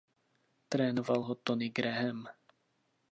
Trénoval ho Tony Graham.